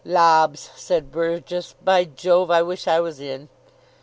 "Lobs," said Burgess. "By Jove, I wish I was in."